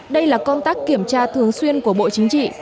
đây là công tác kiểm tra thường xuyên của bộ chính trị